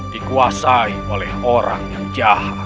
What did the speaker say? dikuasai oleh orang yang jahat